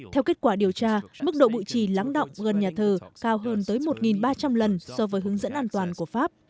theo kết quả điều tra mức độ bụi trì lắng động gần nhà thờ cao hơn tới một ba trăm linh lần so với hướng dẫn an toàn của pháp